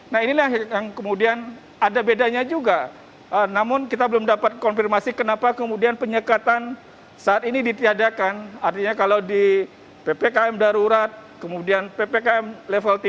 nah inilah yang kemudian ada bedanya juga namun kita belum dapat konfirmasi kenapa kemudian penyekatan saat ini ditiadakan artinya kalau di ppkm darurat kemudian ppkm level tiga